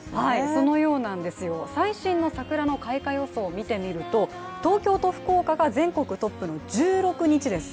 そのようなんですよ、最新の桜の開花予想を見てみると、東京と福岡が全国トップの１６日です。